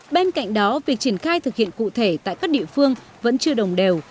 bên cạnh đó việc triển khai thực hiện cụ thể tại các địa phương vẫn chưa đồng đều